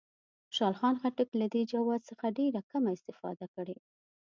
خوشحال خان خټک له دې جواز څخه ډېره کمه استفاده کړې.